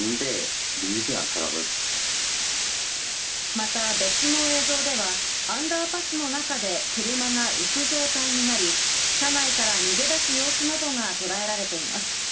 また別の映像では、アンダーパスの中で車が浮く状態になり、車内から逃げ出す様子などが捉えられています。